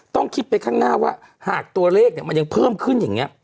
ต้องคิดไปข้างหน้าว่าหากตัวเลขมันยังเพิ่มขึ้นอย่างนี้